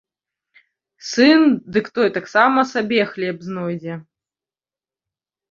Сын, дык той таксама сабе хлеб знойдзе.